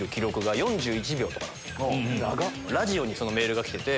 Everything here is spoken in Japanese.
ラジオにそのメールが来てて。